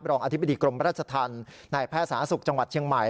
อธิบดีกรมราชธรรมนายแพทย์สาธารณสุขจังหวัดเชียงใหม่